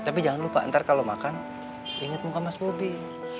tapi jangan lupa ntar kalau makan inget muka mas bobi